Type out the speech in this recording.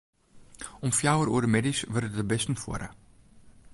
Om fjouwer oere middeis wurde de bisten fuorre.